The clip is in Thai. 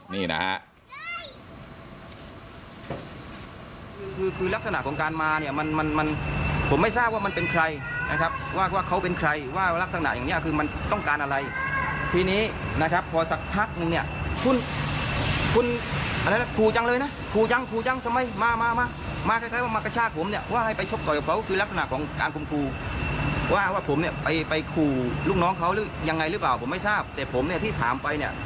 อย่างไรหรือเปล่าผมไม่ทราบแต่ผมเนี่ยที่ถามไปเนี่ย